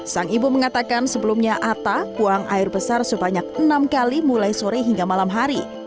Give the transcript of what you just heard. sang ibu mengatakan sebelumnya atta buang air besar sebanyak enam kali mulai sore hingga malam hari